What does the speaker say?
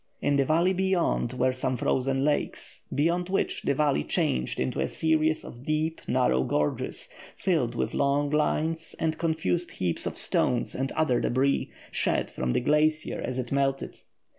In the valley beyond were some frozen lakes, beyond which the valley changed into a series of deep, narrow gorges, filled with long lines and confused heaps of stones and other débris, shed from the glacier as it melted.